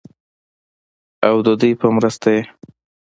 او ددوي پۀ مرسته ئې